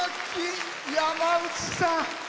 山内さん。